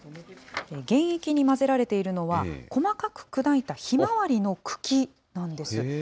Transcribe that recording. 原液に混ぜられているのは、細かく砕いたひまわりの茎なんです。